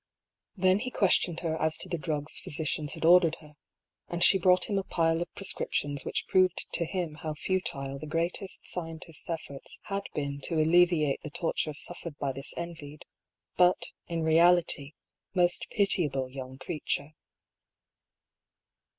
Then he questioned her as to the drugs physicians had ordered her, and she brought him a pile of prescrip tions which proved to him how futile the greatest scientists' efforts had been to alleviate the torture suf fered by this envied, but in reality most pitiable young creature.